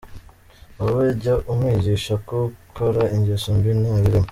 Wowe jya umwigisha ko gukora ingeso mbi ntabirimo.